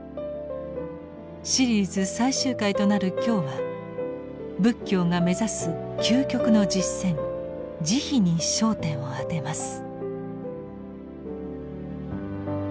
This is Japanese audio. シリーズ最終回となる今日は仏教が目指す究極の実践「慈悲」に焦点を当てます。